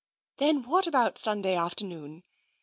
"Then what about Sunday afternoon?